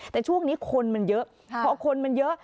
แต่ช่วงนี้คนมันเยอะพอคนมันเยอะ